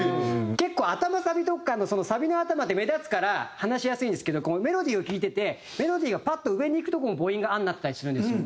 結構頭サビとかのサビの頭で目立つから話しやすいんですけどメロディーを聴いててメロディーがパッと上にいくとこも母音が「あ」になってたりするんですよ。